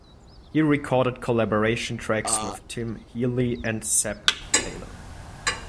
He recorded collaboration tracks with Tim Healey and Seb Taylor.